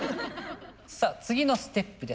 さあ次のステップです。